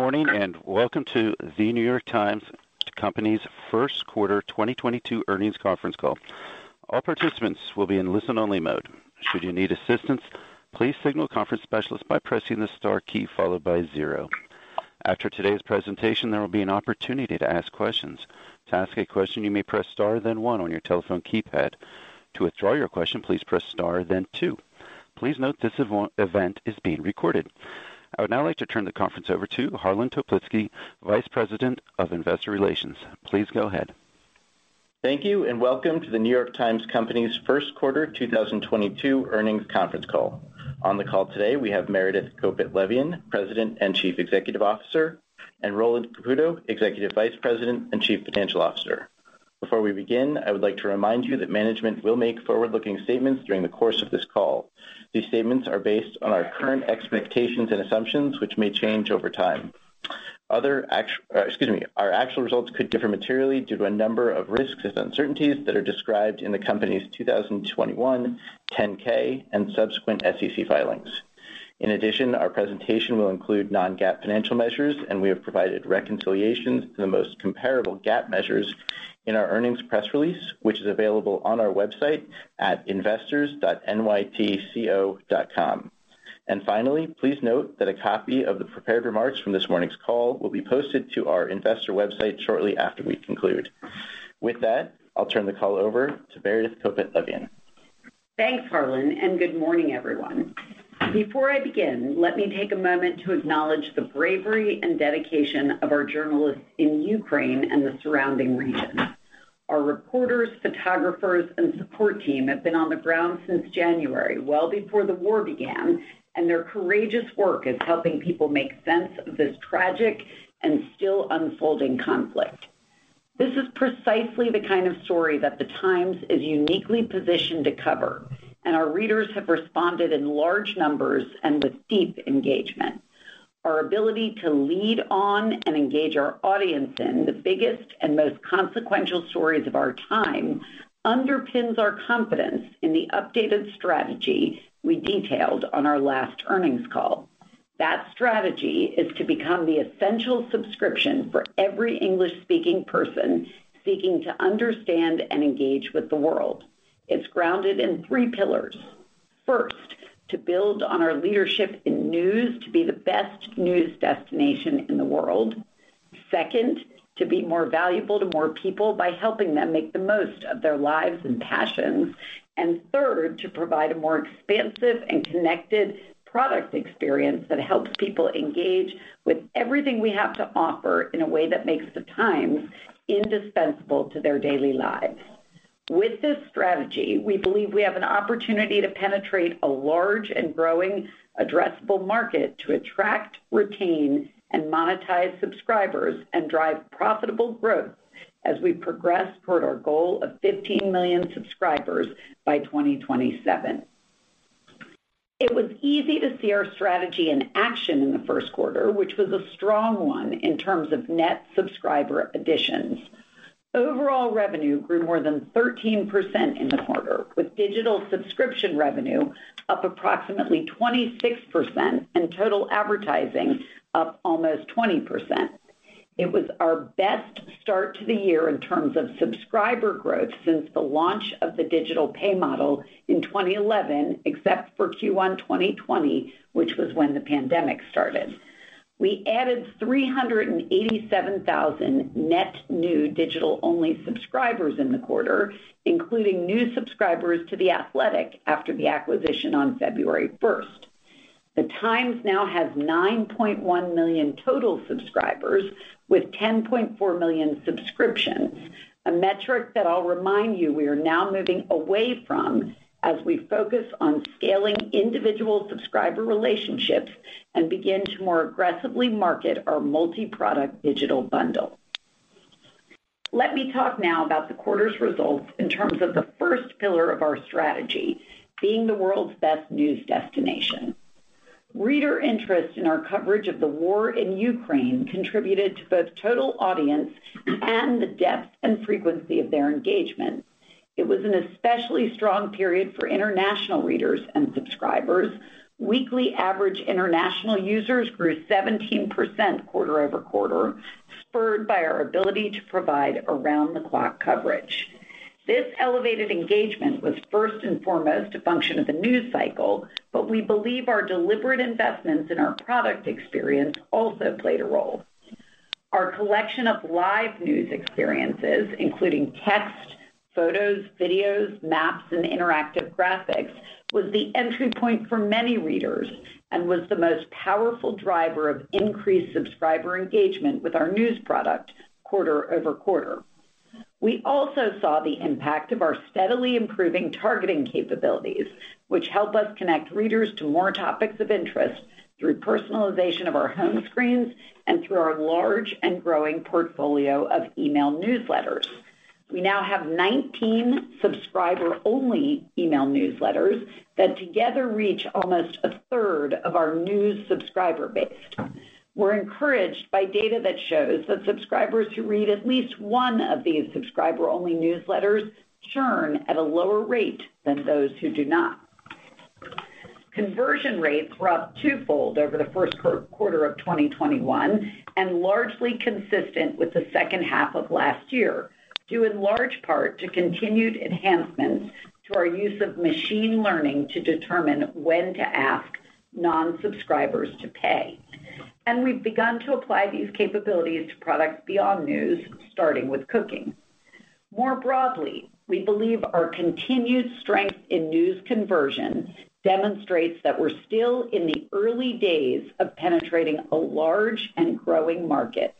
Good morning, and welcome to The New York Times Company's first quarter 2022 earnings conference call. All participants will be in listen-only mode. Should you need assistance, please signal a conference specialist by pressing the star key followed by zero. After today's presentation, there will be an opportunity to ask questions. To ask a question, you may press star then one on your telephone keypad. To withdraw your question, please press star then two. Please note this event is being recorded. I would now like to turn the conference over to Harlan Toplitzky, Vice President of Investor Relations. Please go ahead. Thank you, and welcome to The New York Times Company's first quarter 2022 earnings conference call. On the call today, we have Meredith Kopit Levien, President and Chief Executive Officer, and Roland Caputo, Executive Vice President and Chief Financial Officer. Before we begin, I would like to remind you that management will make forward-looking statements during the course of this call. These statements are based on our current expectations and assumptions, which may change over time. Our actual results could differ materially due to a number of risks and uncertainties that are described in the company's 2021 10-K and subsequent SEC filings. In addition, our presentation will include non-GAAP financial measures, and we have provided reconciliations to the most comparable GAAP measures in our earnings press release, which is available on our website at investors.nytco.com. Finally, please note that a copy of the prepared remarks from this morning's call will be posted to our investor website shortly after we conclude. With that, I'll turn the call over to Meredith Kopit Levien. Thanks, Harlan, and good morning, everyone. Before I begin, let me take a moment to acknowledge the bravery and dedication of our journalists in Ukraine and the surrounding region. Our reporters, photographers, and support team have been on the ground since January, well before the war began, and their courageous work is helping people make sense of this tragic and still unfolding conflict. This is precisely the kind of story that The Times is uniquely positioned to cover, and our readers have responded in large numbers and with deep engagement. Our ability to lead on and engage our audience in the biggest and most consequential stories of our time underpins our confidence in the updated strategy we detailed on our last earnings call. That strategy is to become the essential subscription for every English-speaking person seeking to understand and engage with the world. It's grounded in three pillars. First, to build on our leadership in news to be the best news destination in the world. Second, to be more valuable to more people by helping them make the most of their lives and passions. Third, to provide a more expansive and connected product experience that helps people engage with everything we have to offer in a way that makes The Times indispensable to their daily lives. With this strategy, we believe we have an opportunity to penetrate a large and growing addressable market to attract, retain, and monetize subscribers and drive profitable growth as we progress toward our goal of 15 million subscribers by 2027. It was easy to see our strategy in action in the first quarter, which was a strong one in terms of net subscriber additions. Overall revenue grew more than 13% in the quarter, with digital subscription revenue up approximately 26% and total advertising up almost 20%. It was our best start to the year in terms of subscriber growth since the launch of the digital pay model in 2011, except for Q1 2020, which was when the pandemic started. We added 387,000 net new digital-only subscribers in the quarter, including new subscribers to The Athletic after the acquisition on February 1. The Times now has 9.1 million total subscribers with 10.4 million subscriptions, a metric that I'll remind you we are now moving away from as we focus on scaling individual subscriber relationships and begin to more aggressively market our multiproduct digital bundle. Let me talk now about the quarter's results in terms of the first pillar of our strategy, being the world's best news destination. Reader interest in our coverage of the war in Ukraine contributed to both total audience and the depth and frequency of their engagement. It was an especially strong period for international readers and subscribers. Weekly average international users grew 17% quarter-over-quarter, spurred by our ability to provide around-the-clock coverage. This elevated engagement was first and foremost a function of the news cycle, but we believe our deliberate investments in our product experience also played a role. Our collection of live news experiences, including text, photos, videos, maps, and interactive graphics, was the entry point for many readers and was the most powerful driver of increased subscriber engagement with our news product quarter-over-quarter. We also saw the impact of our steadily improving targeting capabilities, which help us connect readers to more topics of interest through personalization of our home screens and through our large and growing portfolio of email newsletters. We now have 19 subscriber-only email newsletters that together reach almost a third of our news subscriber base. We're encouraged by data that shows that subscribers who read at least one of these subscriber-only newsletters churn at a lower rate than those who do not. Conversion rates were up two-fold over the first quarter of 2021 and largely consistent with the second half of last year, due in large part to continued enhancements to our use of machine learning to determine when to ask non-subscribers to pay. We've begun to apply these capabilities to products beyond news, starting with cooking. More broadly, we believe our continued strength in news conversion demonstrates that we're still in the early days of penetrating a large and growing market.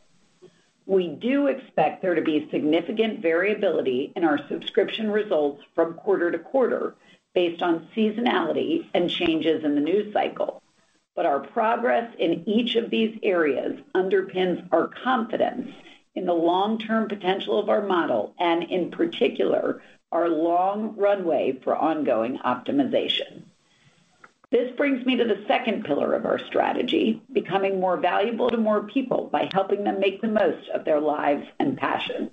We do expect there to be significant variability in our subscription results from quarter-to-quarter based on seasonality and changes in the news cycle. Our progress in each of these areas underpins our confidence in the long-term potential of our model and in particular, our long runway for ongoing optimization. This brings me to the second pillar of our strategy, becoming more valuable to more people by helping them make the most of their lives and passions.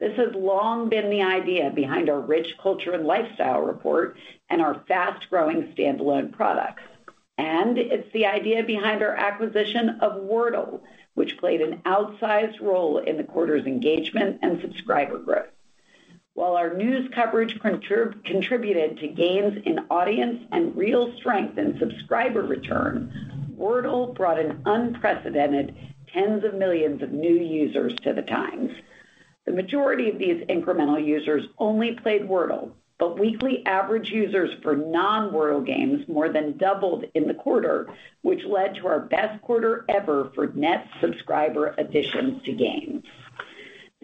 This has long been the idea behind our rich culture and lifestyle report and our fast-growing standalone products. It's the idea behind our acquisition of Wordle, which played an outsized role in the quarter's engagement and subscriber growth. While our news coverage contributed to gains in audience and real strength in subscriber return, Wordle brought an unprecedented tens of millions of new users to The Times. The majority of these incremental users only played Wordle, but weekly average users for non-Wordle games more than doubled in the quarter, which led to our best quarter ever for net subscriber additions to games.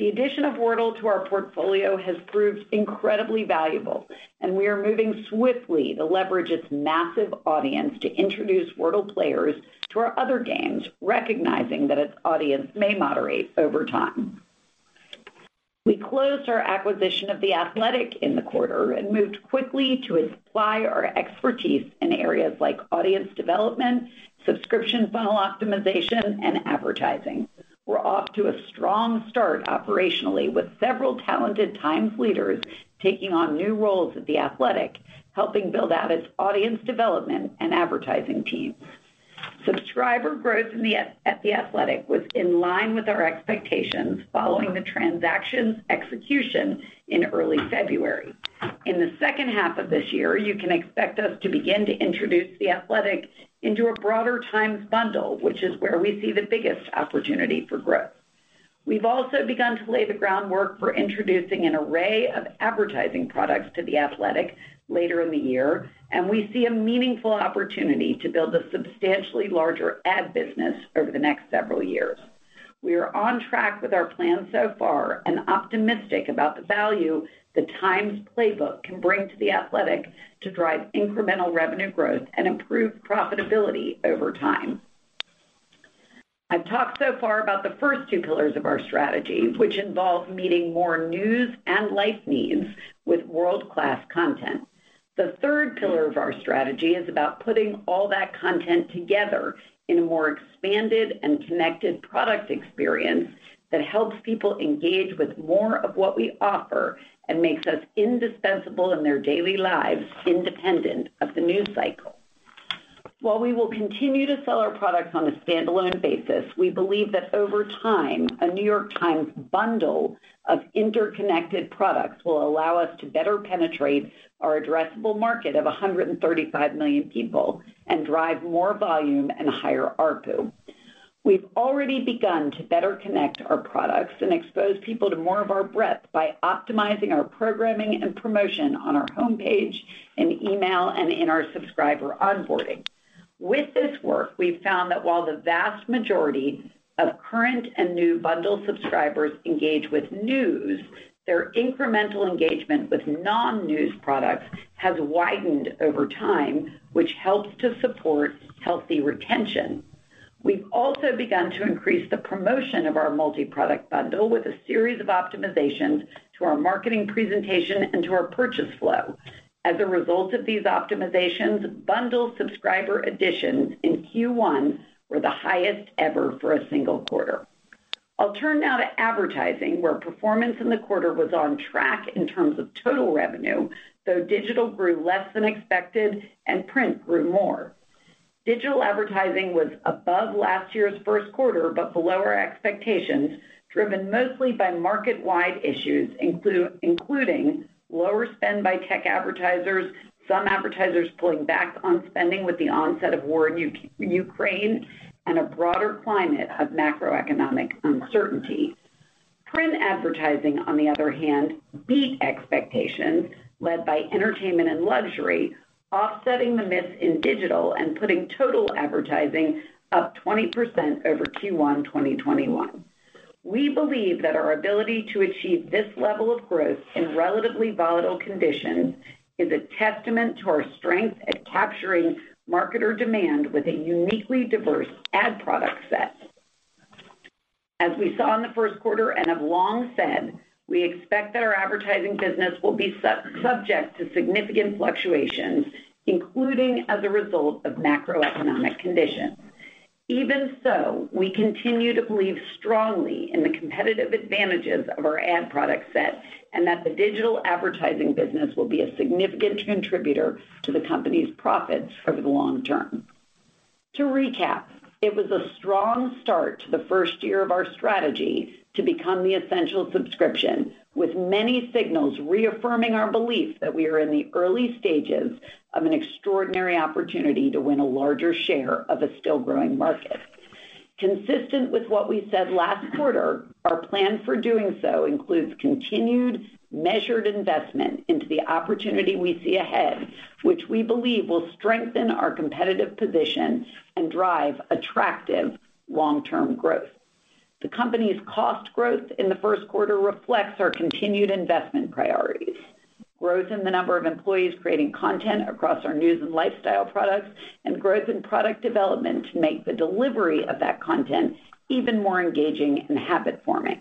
The addition of Wordle to our portfolio has proved incredibly valuable, and we are moving swiftly to leverage its massive audience to introduce Wordle players to our other games, recognizing that its audience may moderate over time. We closed our acquisition of The Athletic in the quarter and moved quickly to apply our expertise in areas like audience development, subscription funnel optimization, and advertising. We're off to a strong start operationally with several talented Times leaders taking on new roles at The Athletic, helping build out its audience development and advertising teams. Subscriber growth at The Athletic was in line with our expectations following the transaction's execution in early February. In the second half of this year, you can expect us to begin to introduce The Athletic into a broader Times bundle, which is where we see the biggest opportunity for growth. We've also begun to lay the groundwork for introducing an array of advertising products to The Athletic later in the year, and we see a meaningful opportunity to build a substantially larger ad business over the next several years. We are on track with our plan so far and optimistic about the value The Times playbook can bring to The Athletic to drive incremental revenue growth and improve profitability over time. I've talked so far about the first two pillars of our strategy, which involve meeting more news and life needs with world-class content. The third pillar of our strategy is about putting all that content together in a more expanded and connected product experience that helps people engage with more of what we offer and makes us indispensable in their daily lives independent of the news cycle. While we will continue to sell our products on a standalone basis, we believe that over time, The New York Times bundle of interconnected products will allow us to better penetrate our addressable market of 135 million people and drive more volume and higher ARPU. We've already begun to better connect our products and expose people to more of our breadth by optimizing our programming and promotion on our homepage and email and in our subscriber onboarding. With this work, we've found that while the vast majority of current and new bundle subscribers engage with news, their incremental engagement with non-news products has widened over time, which helps to support healthy retention. We've also begun to increase the promotion of our multi-product bundle with a series of optimizations to our marketing presentation and to our purchase flow. As a result of these optimizations, bundle subscriber additions in Q1 were the highest ever for a single quarter. I'll turn now to advertising, where performance in the quarter was on track in terms of total revenue, though digital grew less than expected and print grew more. Digital advertising was above last year's first quarter, but below our expectations, driven mostly by market-wide issues, including lower spend by tech advertisers, some advertisers pulling back on spending with the onset of war in Ukraine, and a broader climate of macroeconomic uncertainty. Print advertising, on the other hand, beat expectations led by entertainment and luxury, offsetting the miss in digital and putting total advertising up 20% over Q1 2021. We believe that our ability to achieve this level of growth in relatively volatile conditions is a testament to our strength at capturing marketer demand with a uniquely diverse ad product set. As we saw in the first quarter and have long said, we expect that our advertising business will be subject to significant fluctuations, including as a result of macroeconomic conditions. Even so, we continue to believe strongly in the competitive advantages of our ad product set, and that the digital advertising business will be a significant contributor to the company's profits over the long term. To recap, it was a strong start to the first year of our strategy to become the essential subscription, with many signals reaffirming our belief that we are in the early stages of an extraordinary opportunity to win a larger share of a still-growing market. Consistent with what we said last quarter, our plan for doing so includes continued measured investment into the opportunity we see ahead, which we believe will strengthen our competitive position and drive attractive long-term growth. The company's cost growth in the first quarter reflects our continued investment priorities. Growth in the number of employees creating content across our news and lifestyle products and growth in product development to make the delivery of that content even more engaging and habit-forming.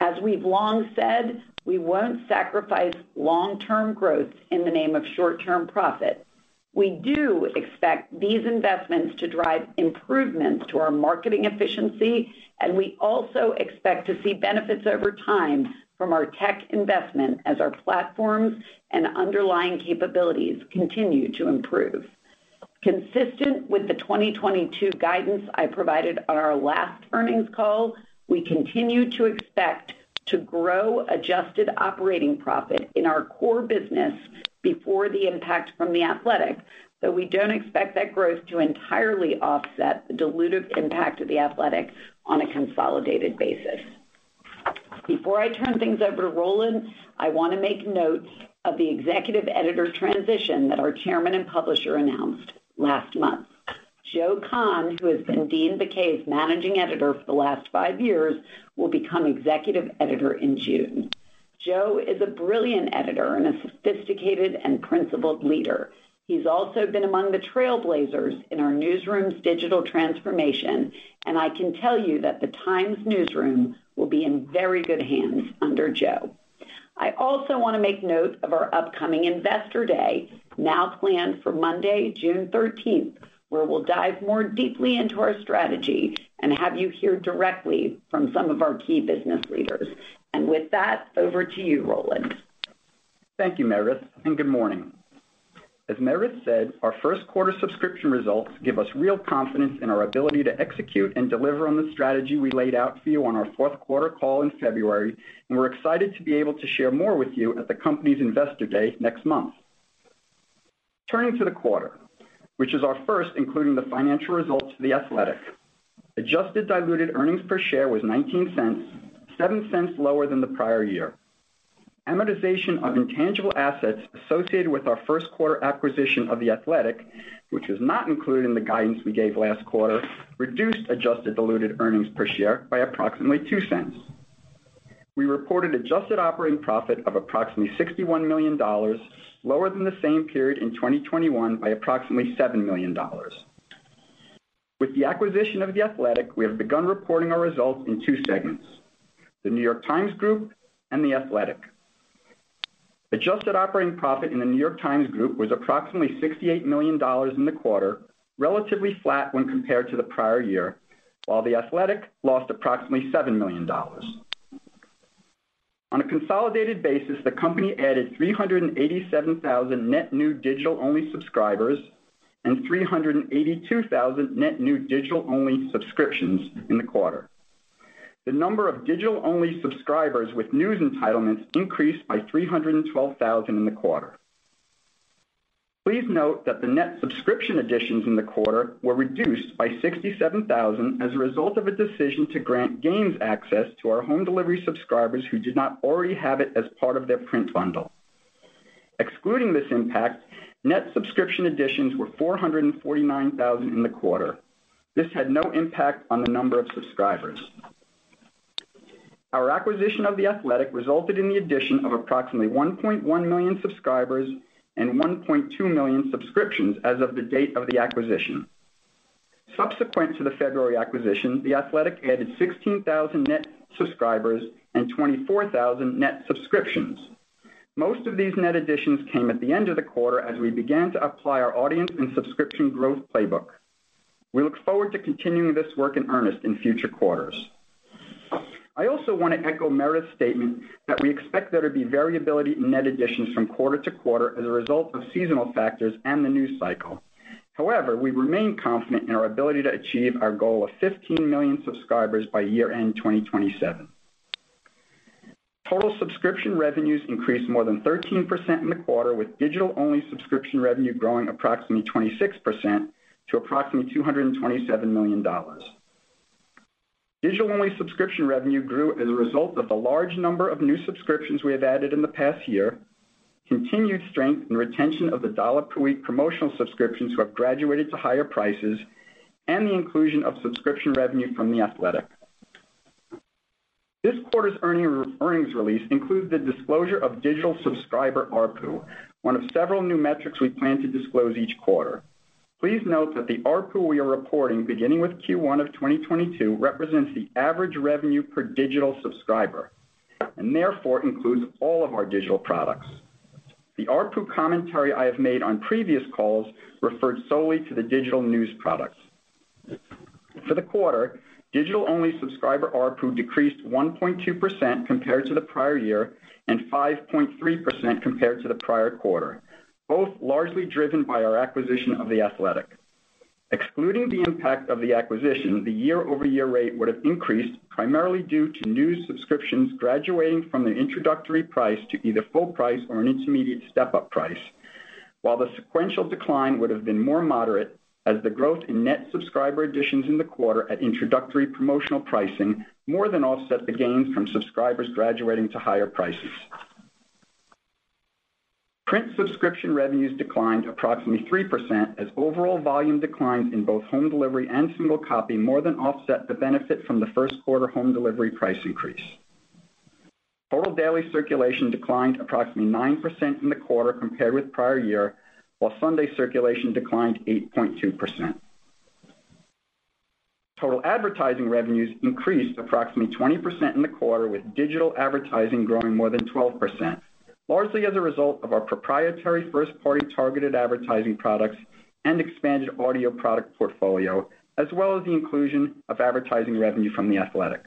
As we've long said, we won't sacrifice long-term growth in the name of short-term profit. We do expect these investments to drive improvements to our marketing efficiency, and we also expect to see benefits over time from our tech investment as our platforms and underlying capabilities continue to improve. Consistent with the 2022 guidance I provided on our last earnings call, we continue to expect to grow adjusted operating profit in our core business before the impact from The Athletic, though we don't expect that growth to entirely offset the dilutive impact of The Athletic on a consolidated basis. Before I turn things over to Roland, I want to make note of the Executive Editor transition that our Chairman and Publisher announced last month. Joseph Kahn, who has been Dean Baquet's Managing Editor for the last five years, will become executive editor in June. Joe is a brilliant editor and a sophisticated and principled leader. He's also been among the trailblazers in our newsroom's digital transformation, and I can tell you that The Times newsroom will be in very good hands under Joe. I also want to make note of our upcoming Investor Day, now planned for Monday, June 13th, where we'll dive more deeply into our strategy and have you hear directly from some of our key business leaders. With that, over to you, Roland. Thank you, Meredith, and good morning. As Meredith said, our first quarter subscription results give us real confidence in our ability to execute and deliver on the strategy we laid out for you on our fourth quarter call in February, and we're excited to be able to share more with you at the company's Investor Day next month. Turning to the quarter, which is our first including the financial results of The Athletic, adjusted diluted earnings per share was $0.19, $0.07 lower than the prior year. Amortization of intangible assets associated with our first quarter acquisition of The Athletic, which was not included in the guidance we gave last quarter, reduced adjusted diluted earnings per share by approximately $0.02. We reported adjusted operating profit of approximately $61 million, lower than the same period in 2021 by approximately $7 million. With the acquisition of The Athletic, we have begun reporting our results in two segments: The New York Times Group and The Athletic. Adjusted operating profit in The New York Times Group was approximately $68 million in the quarter, relatively flat when compared to the prior year, while The Athletic lost approximately $7 million. On a consolidated basis, the company added 387,000 net new digital-only subscribers and 382,000 net new digital-only subscriptions in the quarter. The number of digital-only subscribers with news entitlements increased by 312,000 in the quarter. Please note that the net subscription additions in the quarter were reduced by 67,000 as a result of a decision to grant Games access to our home delivery subscribers who did not already have it as part of their print bundle. Excluding this impact, net subscription additions were 449,000 in the quarter. This had no impact on the number of subscribers. Our acquisition of The Athletic resulted in the addition of approximately 1.1 million subscribers and 1.2 million subscriptions as of the date of the acquisition. Subsequent to the February acquisition, The Athletic added 16,000 net subscribers and 24,000 net subscriptions. Most of these net additions came at the end of the quarter as we began to apply our audience and subscription growth playbook. We look forward to continuing this work in earnest in future quarters. I also want to echo Meredith's statement that we expect there to be variability in net additions from quarter-to-quarter as a result of seasonal factors and the news cycle. However, we remain confident in our ability to achieve our goal of 15 million subscribers by year-end 2027. Total subscription revenues increased more than 13% in the quarter, with digital-only subscription revenue growing approximately 26% to approximately $227 million. Digital-only subscription revenue grew as a result of the large number of new subscriptions we have added in the past year, continued strength and retention of the dollar per week promotional subscriptions who have graduated to higher prices, and the inclusion of subscription revenue from The Athletic. This quarter's earnings release includes the disclosure of digital subscriber ARPU, one of several new metrics we plan to disclose each quarter. Please note that the ARPU we are reporting beginning with Q1 of 2022 represents the average revenue per digital subscriber and therefore includes all of our digital products. The ARPU commentary I have made on previous calls referred solely to the digital news products. For the quarter, digital-only subscriber ARPU decreased 1.2% compared to the prior year, and 5.3% compared to the prior quarter, both largely driven by our acquisition of The Athletic. Excluding the impact of the acquisition, the year-over-year rate would have increased primarily due to news subscriptions graduating from the introductory price to either full price or an intermediate step-up price, while the sequential decline would have been more moderate as the growth in net subscriber additions in the quarter at introductory promotional pricing more than offset the gains from subscribers graduating to higher prices. Print subscription revenues declined approximately 3% as overall volume declines in both home delivery and single copy more than offset the benefit from the first quarter home delivery price increase. Total daily circulation declined approximately 9% in the quarter compared with prior year, while Sunday circulation declined 8.2%. Total advertising revenues increased approximately 20% in the quarter, with digital advertising growing more than 12%, largely as a result of our proprietary first-party targeted advertising products and expanded audio product portfolio, as well as the inclusion of advertising revenue from The Athletic.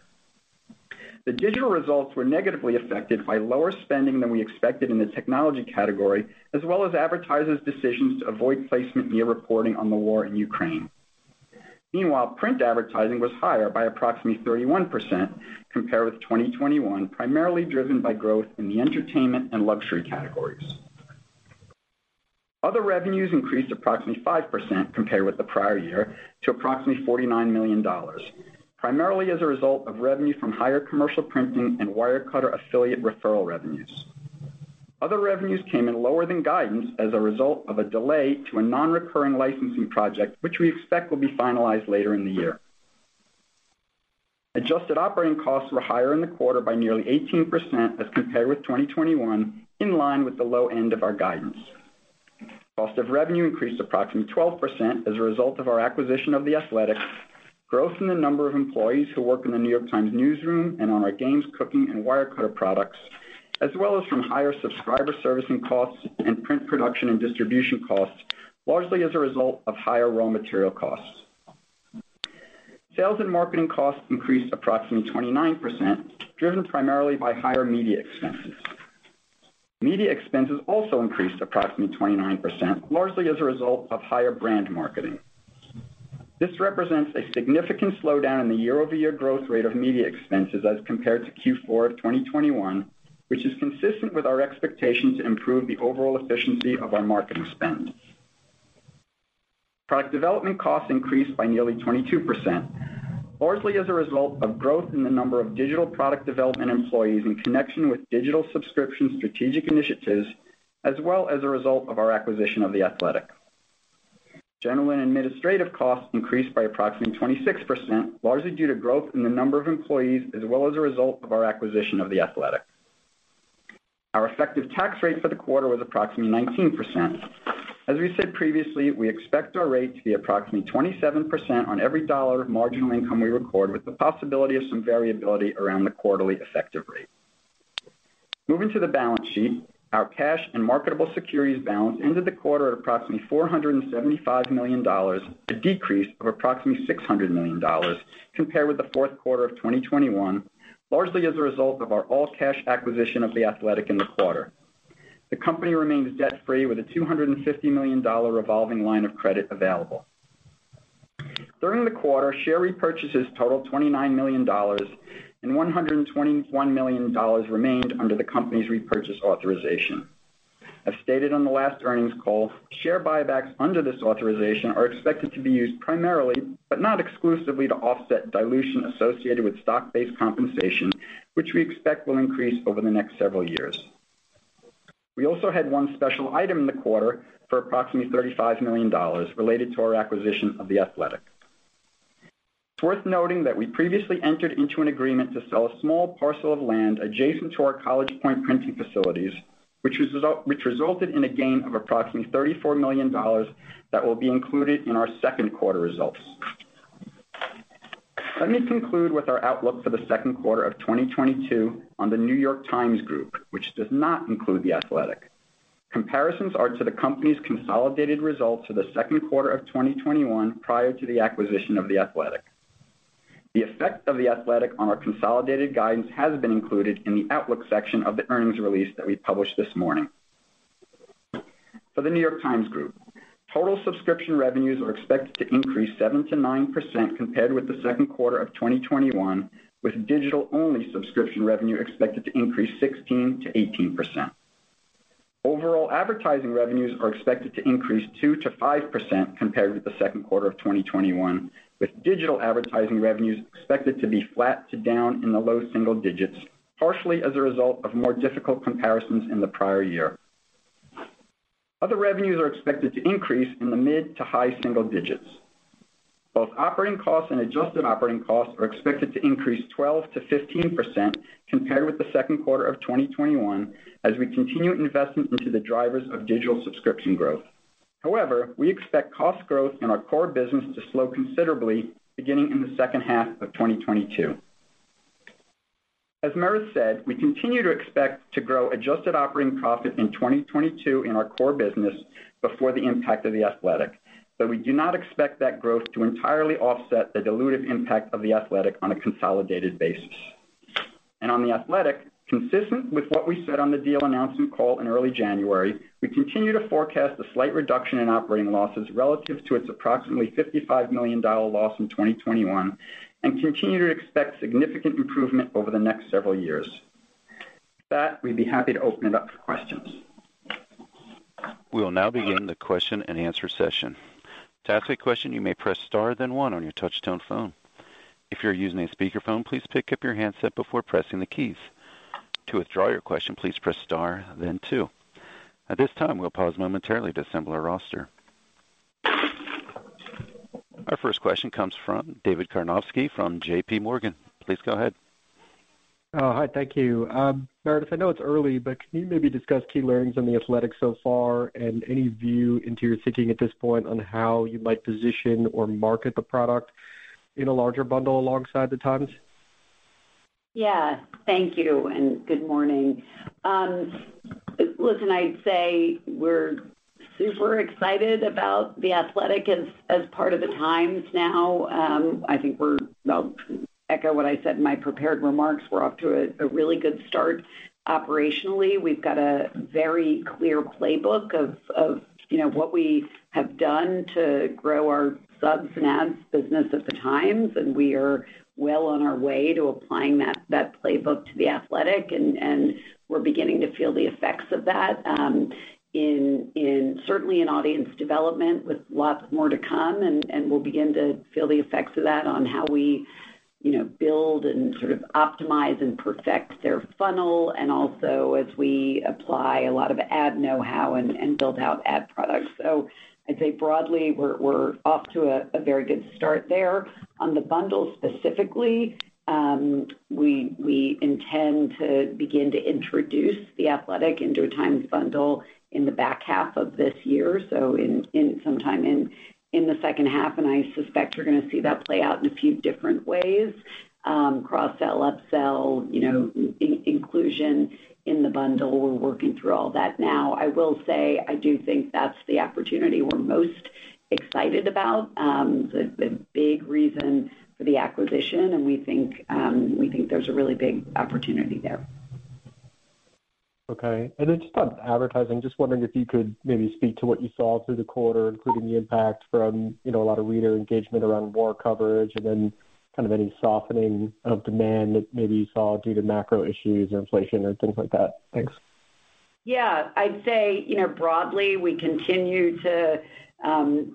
The digital results were negatively affected by lower spending than we expected in the technology category, as well as advertisers' decisions to avoid placement near reporting on the war in Ukraine. Meanwhile, print advertising was higher by approximately 31% compared with 2021, primarily driven by growth in the entertainment and luxury categories. Other revenues increased approximately 5% compared with the prior year to approximately $49 million, primarily as a result of revenue from higher commercial printing and Wirecutter affiliate referral revenues. Other revenues came in lower than guidance as a result of a delay to a non-recurring licensing project, which we expect will be finalized later in the year. Adjusted operating costs were higher in the quarter by nearly 18% as compared with 2021, in line with the low end of our guidance. Cost of revenue increased approximately 12% as a result of our acquisition of The Athletic, growth in the number of employees who work in The New York Times newsroom and on our Games, Cooking, and Wirecutter products, as well as from higher subscriber servicing costs and print production and distribution costs, largely as a result of higher raw material costs. Sales and marketing costs increased approximately 29%, driven primarily by higher media expenses. Media expenses also increased approximately 29%, largely as a result of higher brand marketing. This represents a significant slowdown in the year-over-year growth rate of media expenses as compared to Q4 of 2021, which is consistent with our expectation to improve the overall efficiency of our marketing spend. Product development costs increased by nearly 22%, largely as a result of growth in the number of digital product development employees in connection with digital subscription strategic initiatives, as well as a result of our acquisition of The Athletic. General and administrative costs increased by approximately 26%, largely due to growth in the number of employees as well as a result of our acquisition of The Athletic. Our effective tax rate for the quarter was approximately 19%. We said previously, we expect our rate to be approximately 27% on every dollar of marginal income we record, with the possibility of some variability around the quarterly effective rate. Moving to the balance sheet, our cash and marketable securities balance ended the quarter at approximately $475 million, a decrease of approximately $600 million compared with the fourth quarter of 2021, largely as a result of our all-cash acquisition of The Athletic in the quarter. The company remains debt-free with a $250 million revolving line of credit available. During the quarter, share repurchases totaled $29 million and $121 million remained under the company's repurchase authorization. As stated on the last earnings call, share buybacks under this authorization are expected to be used primarily, but not exclusively, to offset dilution associated with stock-based compensation, which we expect will increase over the next several years. We also had one special item in the quarter for approximately $35 million related to our acquisition of The Athletic. It's worth noting that we previously entered into an agreement to sell a small parcel of land adjacent to our College Point printing facilities, which resulted in a gain of approximately $34 million that will be included in our second quarter results. Let me conclude with our outlook for the second quarter of 2022 on The New York Times Group, which does not include The Athletic. Comparisons are to the company's consolidated results for the second quarter of 2021 prior to the acquisition of The Athletic. The effect of The Athletic on our consolidated guidance has been included in the outlook section of the earnings release that we published this morning. For The New York Times Group, total subscription revenues are expected to increase 7%-9% compared with the second quarter of 2021, with digital-only subscription revenue expected to increase 16%-18%. Overall advertising revenues are expected to increase 2%-5% compared with the second quarter of 2021, with digital advertising revenues expected to be flat to down in the low single digits, partially as a result of more difficult comparisons in the prior year. Other revenues are expected to increase in the mid to high single digits. Both operating costs and adjusted operating costs are expected to increase 12%-15% compared with the second quarter of 2021 as we continue investment into the drivers of digital subscription growth. However, we expect cost growth in our core business to slow considerably beginning in the second half of 2022. As Meredith said, we continue to expect to grow adjusted operating profit in 2022 in our core business before the impact of The Athletic. We do not expect that growth to entirely offset the dilutive impact of The Athletic on a consolidated basis. On The Athletic, consistent with what we said on the deal announcement call in early January, we continue to forecast a slight reduction in operating losses relative to its approximately $55 million loss in 2021, and continue to expect significant improvement over the next several years. With that, we'd be happy to open it up for questions. We will now begin the question-and-answer session. To ask a question, you may press star, then one on your touchtone phone. If you're using a speakerphone, please pick up your handset before pressing the keys. To withdraw your question, please press star, then two. At this time, we'll pause momentarily to assemble our roster. Our first question comes from David Karnovsky from JPMorgan. Please go ahead. Thank you. Meredith, I know it's early, but can you maybe discuss key learnings on The Athletic so far, and any view into your thinking at this point on how you might position or market the product in a larger bundle alongside The Times? Yeah. Thank you, and good morning. Listen, I'd say we're super excited about The Athletic as part of The Times now. I think I'll echo what I said in my prepared remarks. We're off to a really good start operationally. We've got a very clear playbook of, you know, what we have done to grow our subs and ads business at The Times, and we are well on our way to applying that playbook to The Athletic. We're beginning to feel the effects of that in audience development with lots more to come, and we'll begin to feel the effects of that on how we, you know, build and sort of optimize and perfect their funnel, and also as we apply a lot of ad know-how and build out ad products. I'd say broadly, we're off to a very good start there. On the bundle specifically, we intend to begin to introduce The Athletic into a Times bundle in the back half of this year, sometime in the second half, and I suspect you're gonna see that play out in a few different ways. Cross-sell, up-sell, you know, inclusion in the bundle. We're working through all that now. I will say, I do think that's the opportunity we're most excited about. The big reason for the acquisition, and we think there's a really big opportunity there. Okay. Just on advertising, just wondering if you could maybe speak to what you saw through the quarter, including the impact from, you know, a lot of reader engagement around war coverage and then kind of any softening of demand that maybe you saw due to macro issues or inflation and things like that. Thanks. Yeah. I'd say, you know, broadly, we continue to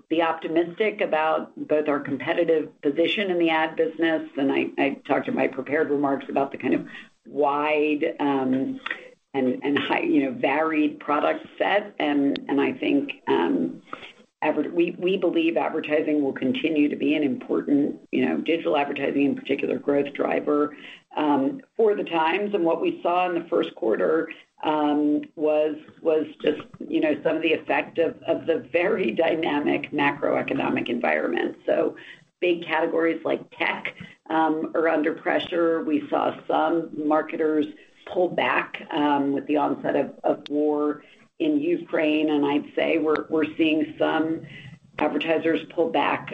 be optimistic about both our competitive position in the ad business. I talked in my prepared remarks about the kind of wide, you know, varied product set and I think we believe advertising will continue to be an important, you know, digital advertising in particular growth driver for the Times. What we saw in the first quarter was just, you know, some of the effect of the very dynamic macroeconomic environment. Big categories like tech are under pressure. We saw some marketers pull back with the onset of war in Ukraine, and I'd say we're seeing some advertisers pull back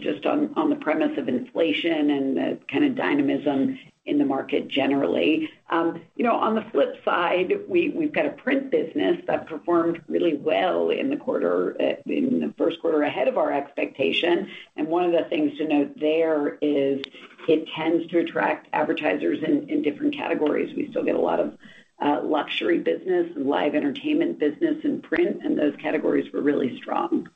just on the premise of inflation and the kind of dynamism in the market generally. You know, on the flip side, we've got a print business that performed really well in the quarter, in the first quarter ahead of our expectation. One of the things to note there is it tends to attract advertisers in different categories. We still get a lot of luxury business and live entertainment business in print, and those categories were really strong.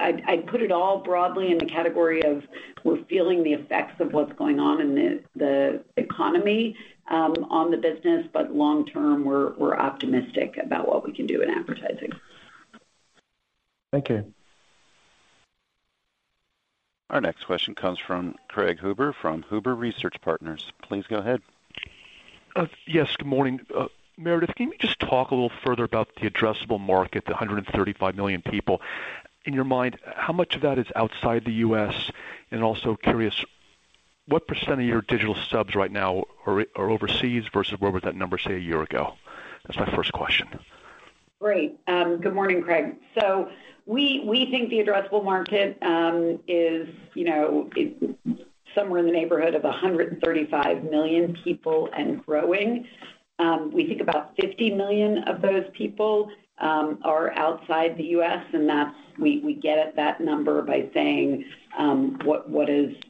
I'd put it all broadly in the category of we're feeling the effects of what's going on in the economy on the business, but long term, we're optimistic about what we can do in advertising. Thank you. Our next question comes from Craig Huber from Huber Research Partners. Please go ahead. Yes, good morning. Meredith, can you just talk a little further about the addressable market, the 135 million people? In your mind, how much of that is outside the U.S., and also curious, what % of your digital subs right now are overseas versus where was that number, say, a year ago? That's my first question. Great. Good morning, Craig. We think the addressable market is you know somewhere in the neighborhood of 135 million people and growing. We think about 50 million of those people are outside the U.S., and that's we get at that number by saying what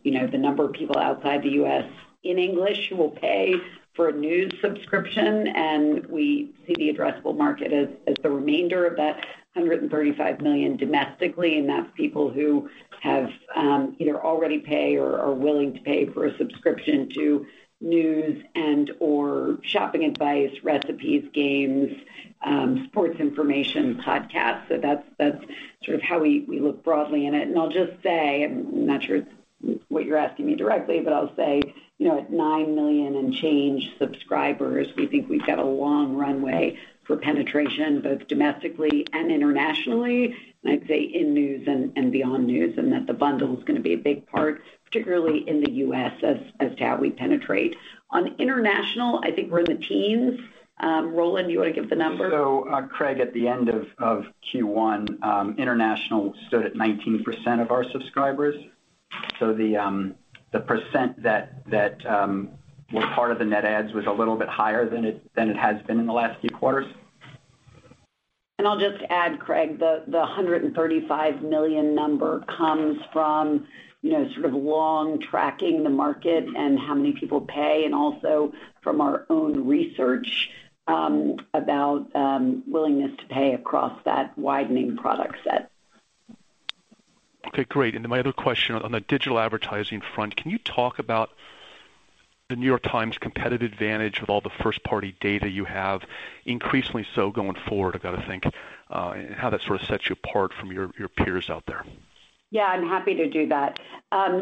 you know the number of people outside the U.S. in English who will pay for a news subscription, and we see the addressable market as the remainder of that 135 million domestically, and that's people who have either already pay or are willing to pay for a subscription to news and/or shopping advice, recipes, games, sports information, podcasts. That's sort of how we look broadly in it. I'll just say, I'm not sure it's what you're asking me directly, but I'll say, you know, at 9 million and change subscribers, we think we've got a long runway for penetration, both domestically and internationally, and I'd say in news and beyond news, and that the bundle's gonna be a big part, particularly in the U.S. as to how we penetrate. On international, I think we're in the teens. Roland, you wanna give the number? Craig, at the end of Q1, international stood at 19% of our subscribers. The percent that were part of the net adds was a little bit higher than it has been in the last few quarters. I'll just add, Craig, the 135 million number comes from, you know, sort of long tracking the market and how many people pay, and also from our own research about willingness to pay across that widening product set. Okay, great. Then my other question on the digital advertising front, can you talk about The New York Times' competitive advantage with all the first-party data you have, increasingly so going forward, I've got to think, and how that sort of sets you apart from your peers out there? Yeah, I'm happy to do that.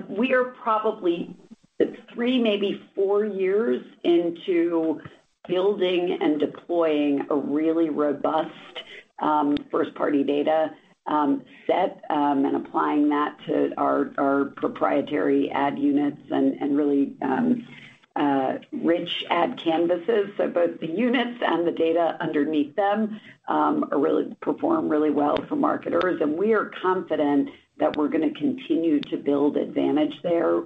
We are probably three, maybe four years into building and deploying a really robust first-party data set and applying that to our proprietary ad units and really rich ad canvases. Both the units and the data underneath them perform really well for marketers. We are confident that we're gonna continue to build advantage there.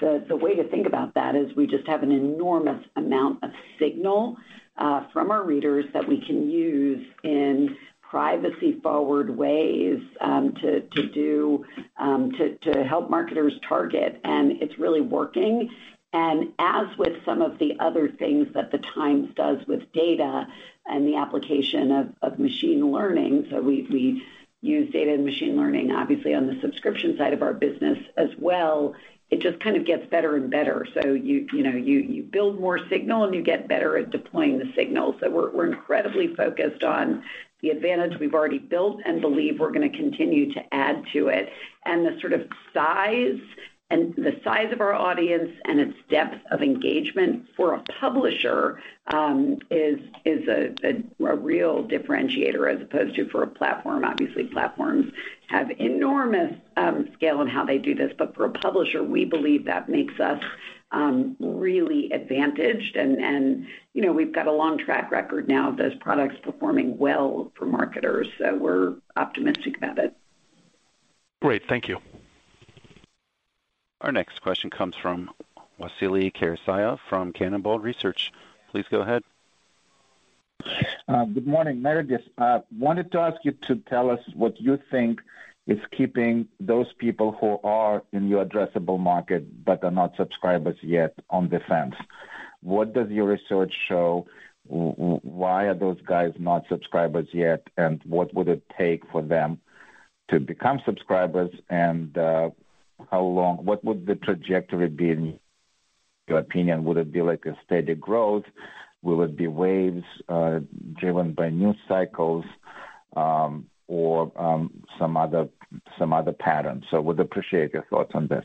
The way to think about that is we just have an enormous amount of signal from our readers that we can use in privacy-forward ways to help marketers target. It's really working. As with some of the other things that The Times does with data and the application of machine learning, we use data and machine learning obviously on the subscription side of our business as well. It just kind of gets better and better. You know, you build more signal and you get better at deploying the signal. We're incredibly focused on the advantage we've already built and believe we're gonna continue to add to it. The size of our audience and its depth of engagement for a publisher is a real differentiator as opposed to for a platform. Platforms have enormous scale in how they do this. For a publisher, we believe that makes us really advantaged and you know, we've got a long track record now of those products performing well for marketers, so we're optimistic about it. Great. Thank you. Our next question comes from Vasily Karasyov from Cannonball Research. Please go ahead. Good morning, Meredith. Wanted to ask you to tell us what you think is keeping those people who are in your addressable market but are not subscribers yet on the fence. What does your research show? Why are those guys not subscribers yet? What would it take for them to become subscribers? What would the trajectory be in your opinion? Would it be like a steady growth? Will it be waves driven by news cycles, or some other patterns? Would appreciate your thoughts on this.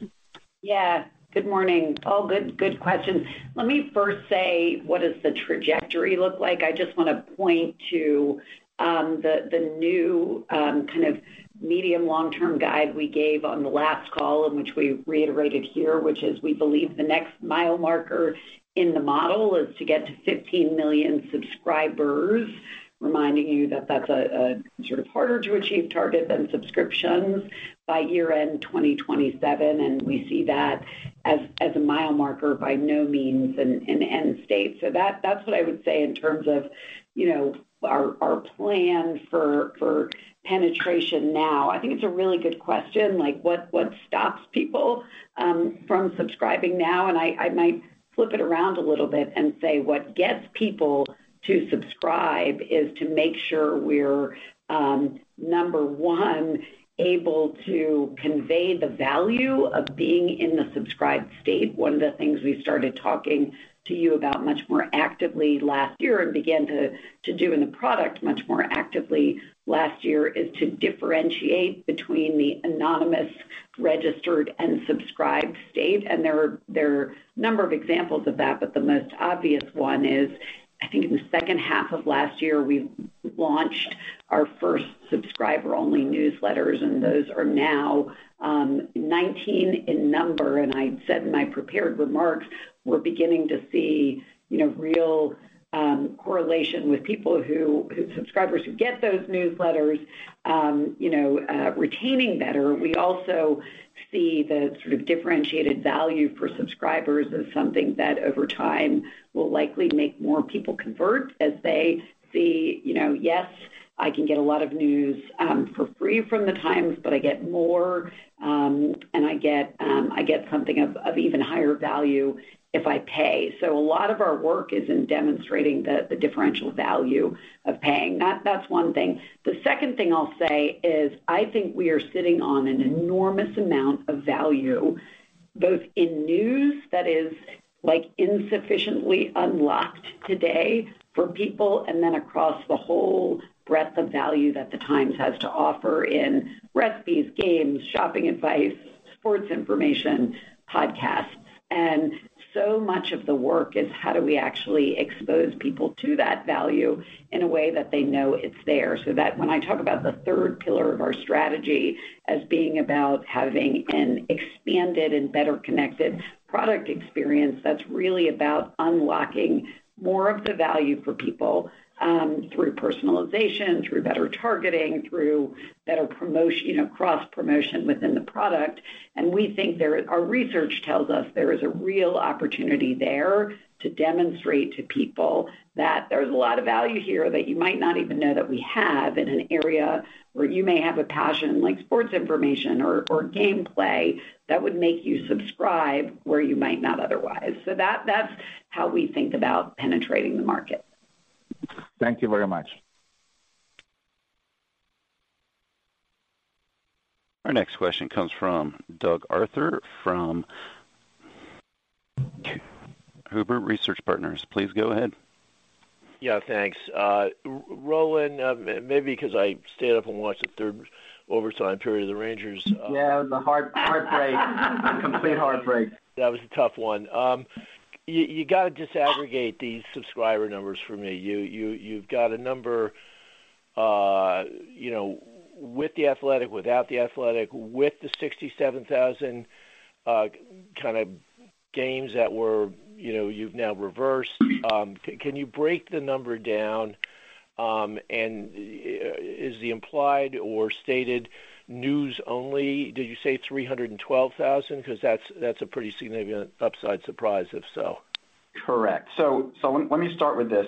Yeah. Good morning. All good questions. Let me first say, what does the trajectory look like? I just wanna point to the new kind of medium long-term guide we gave on the last call, and which we reiterated here, which is we believe the next mile marker in the model is to get to 15 million subscribers, reminding you that that's a sort of harder to achieve target than subscriptions by year-end 2027, and we see that as a mile marker by no means an end state. That's what I would say in terms of, you know, our plan for penetration now. I think it's a really good question, like, what stops people from subscribing now? I might flip it around a little bit and say what gets people to subscribe is to make sure we're number one, able to convey the value of being in the subscribed state. One of the things we started talking to you about much more actively last year and began to do in the product much more actively last year is to differentiate between the anonymous registered and subscribed state. There are a number of examples of that, but the most obvious one is, I think in the second half of last year, we launched our first subscriber-only newsletters, and those are now 19 in number. I said in my prepared remarks, we're beginning to see you know, real correlation with subscribers who get those newsletters you know, retaining better. We also see the sort of differentiated value for subscribers as something that over time will likely make more people convert as they see, you know, "Yes, I can get a lot of news for free from The Times, but I get more, and I get something of even higher value if I pay." A lot of our work is in demonstrating the differential value of paying. That's one thing. The second thing I'll say is I think we are sitting on an enormous amount of value, both in news that is, like, insufficiently unlocked today for people, and then across the whole breadth of value that The Times has to offer in recipes, games, shopping advice, sports information, podcasts. Much of the work is how do we actually expose people to that value in a way that they know it's there. So that when I talk about the third pillar of our strategy as being about having an expanded and better connected product experience, that's really about unlocking more of the value for people through personalization, through better targeting, through better cross-promotion within the product. We think our research tells us there is a real opportunity there to demonstrate to people that there's a lot of value here that you might not even know that we have in an area where you may have a passion like sports information or gameplay that would make you subscribe where you might not otherwise. So that's how we think about penetrating the market. Thank you very much. Our next question comes from Doug Arthur from Huber Research Partners. Please go ahead. Yeah, thanks. Roland, maybe 'cause I stayed up and watched the third overtime period of the Rangers. Yeah, it was a hard heartbreak. Complete heartbreak. That was a tough one. You gotta disaggregate these subscriber numbers for me. You've got a number, you know, with The Athletic, without The Athletic, with the 67,000 kind of Games that were, you know, you've now reversed. Can you break the number down, and is the implied or stated news only? Did you say 312,000? 'Cause that's a pretty significant upside surprise if so. Correct. Let me start with this.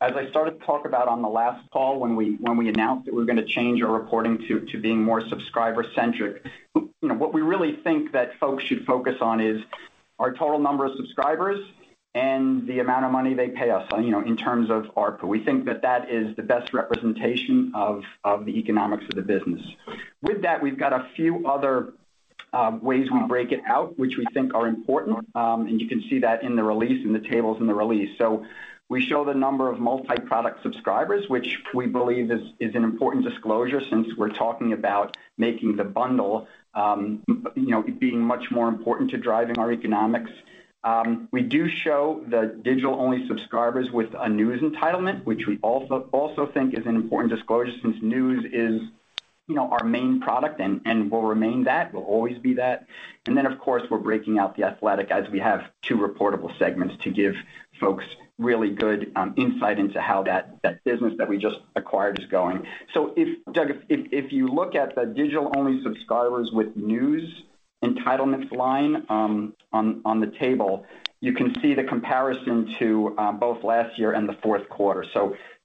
As I started to talk about on the last call when we announced that we're gonna change our reporting to being more subscriber-centric, you know, what we really think that folks should focus on is our total number of subscribers and the amount of money they pay us, you know, in terms of ARPU. We think that that is the best representation of the economics of the business. With that, we've got a few other ways we break it out, which we think are important, and you can see that in the release, in the tables in the release. We show the number of multi-product subscribers, which we believe is an important disclosure since we're talking about making the bundle, you know, being much more important to driving our economics. We do show the digital-only subscribers with a news entitlement, which we also think is an important disclosure since news is, you know, our main product and will remain that, will always be that. Of course, we're breaking out The Athletic as we have two reportable segments to give folks really good insight into how that business that we just acquired is going. If, Doug, you look at the digital-only subscribers with news entitlements line on the table, you can see the comparison to both last year and the fourth quarter.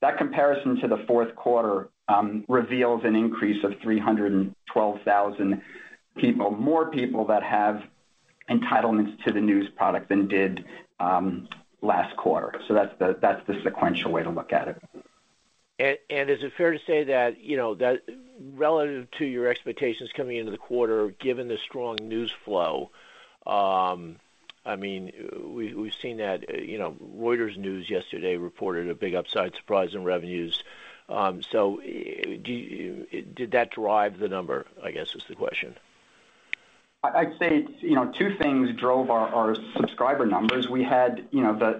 That comparison to the fourth quarter reveals an increase of 312,000 people, more people that have entitlements to the news product than did last quarter. That's the sequential way to look at it. Is it fair to say that, you know, that relative to your expectations coming into the quarter, given the strong news flow, I mean, we've seen that, you know, Reuters news yesterday reported a big upside surprise in revenues. Did that drive the number, I guess is the question. I'd say, you know, two things drove our subscriber numbers. We had you know the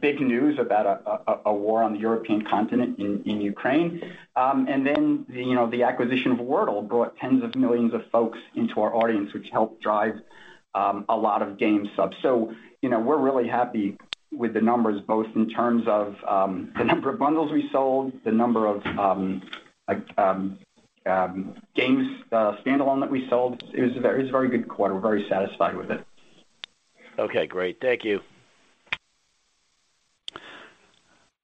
big news about a war on the European continent in Ukraine. You know, the acquisition of Wordle brought tens of millions of folks into our audience, which helped drive a lot of game subs. You know, we're really happy with the numbers, both in terms of the number of bundles we sold, the number of games standalone that we sold. It was a very good quarter. We're very satisfied with it. Okay, great. Thank you.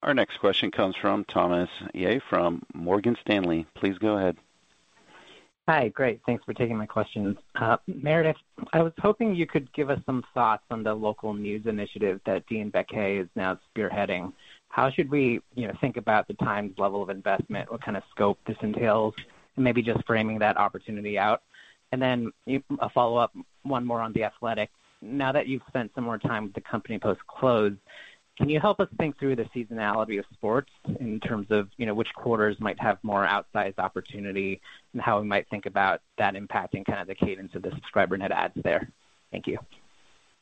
Our next question comes from Thomas Yeh from Morgan Stanley. Please go ahead. Hi. Great, thanks for taking my questions. Meredith, I was hoping you could give us some thoughts on the local news initiative that Dean Baquet is now spearheading. How should we, you know, think about The Times' level of investment? What kind of scope this entails, and maybe just framing that opportunity out. Then a follow-up, one more on The Athletic. Now that you've spent some more time with the company post-close, can you help us think through the seasonality of sports in terms of, you know, which quarters might have more outsized opportunity and how we might think about that impacting kind of the cadence of the subscriber net adds there? Thank you.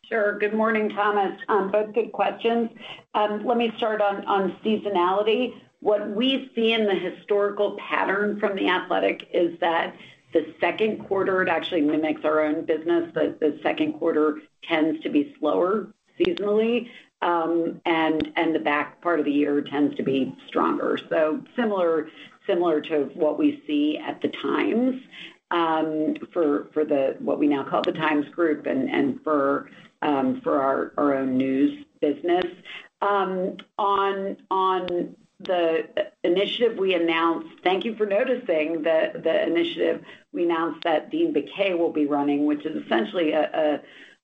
Sure. Good morning, Thomas. Both good questions. Let me start on seasonality. What we see in the historical pattern from The Athletic is that the second quarter actually mimics our own business. The second quarter tends to be slower seasonally, and the back part of the year tends to be stronger. Similar to what we see at The Times, for what we now call The Times Group and for our own news business. On the initiative we announced. Thank you for noticing the initiative we announced that Dean Baquet will be running, which is essentially a.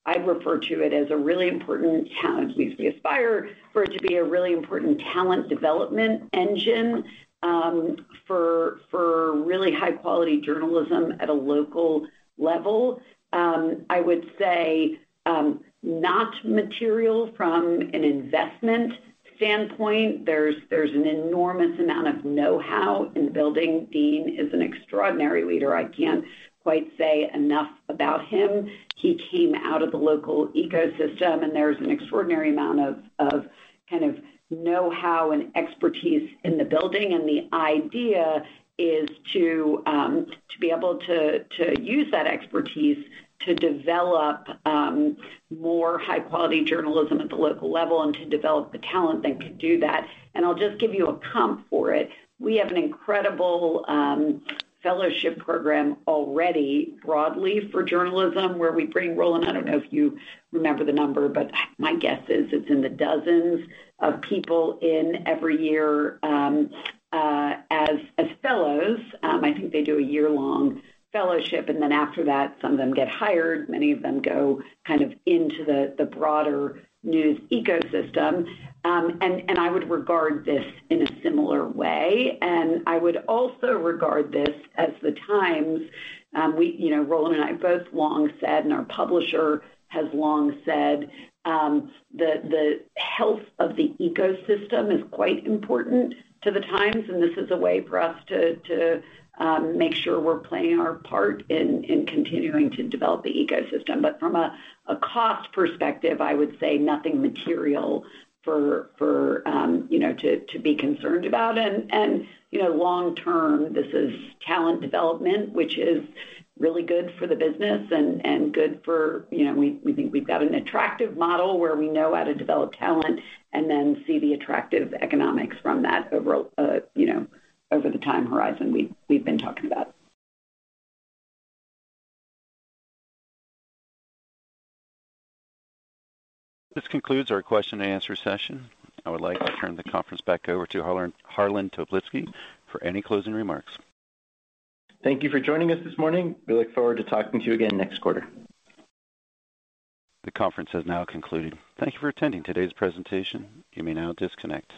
I'd refer to it as a really important talent. At least we aspire for it to be a really important talent development engine, for really high-quality journalism at a local level. I would say not material from an investment standpoint. There's an enormous amount of know-how in the building. Dean is an extraordinary leader. I can't quite say enough about him. He came out of the local ecosystem, and there's an extraordinary amount of kind of know-how and expertise in the building, and the idea is to be able to use that expertise to develop more high-quality journalism at the local level and to develop the talent that can do that. I'll just give you a comp for it. We have an incredible fellowship program already broadly for journalism, where we bring Roland. I don't know if you remember the number, but my guess is it's in the dozens of people every year as fellows. I think they do a year-long fellowship, and then after that, some of them get hired. Many of them go kind of into the broader news ecosystem. I would regard this in a similar way. I would also regard this as The Times. We, you know, Roland and I both long said, and our publisher has long said, the health of the ecosystem is quite important to The Times, and this is a way for us to make sure we're playing our part in continuing to develop the ecosystem. From a cost perspective, I would say nothing material, you know, to be concerned about. You know, long-term, this is talent development, which is really good for the business and good for, you know, we think we've got an attractive model where we know how to develop talent and then see the attractive economics from that over, you know, over the time horizon we've been talking about. This concludes our question and-answer session. I would like to turn the conference back over to Harlan Toplitzky for any closing remarks. Thank you for joining us this morning. We look forward to talking to you again next quarter. The conference has now concluded. Thank you for attending today's presentation. You may now disconnect.